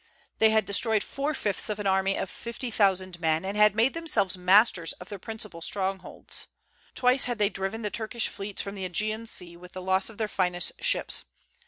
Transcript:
They had destroyed four fifths of an army of fifty thousand men, and made themselves masters of their principal strongholds. Twice had they driven the Turkish fleets from the Aegean Sea with the loss of their finest ships.